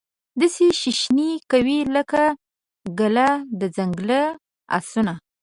داسي شیشنی کوي لکه ګله د ځنګلې اسانو